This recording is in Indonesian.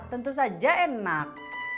tentu saja enak